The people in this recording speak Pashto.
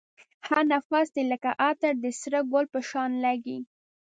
هر نفس دی لکه عطر د سره گل په شان لگېږی